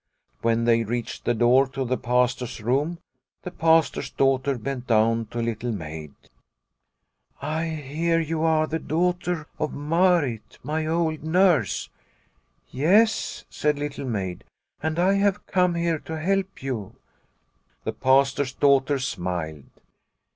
When they reached the door to the Pastor's room the Pastor's daughter bent down to Little Maid. " I hear you are the daughter of Marit, my old nurse." 28 Liliecrona's Home " Yes," said Little Maid, " and I have come here to help you." The Pastor's daughter smiled.